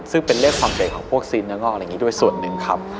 ซึ่งเป็นเลขคำเด็กของพวกซีนเนื้อนอกอะไรอย่างนี้ด้วยส่วนหนึ่งครับ